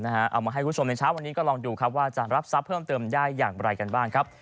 เอามาให้คุณผู้ชมในเช้าวันนี้ก็ลองดูครับว่าจะรับทรัพย์เพิ่มเติมได้อย่างไรกันบ้างครับ